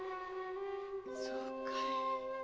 そうかい。